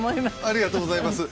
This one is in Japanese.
ありがとうございます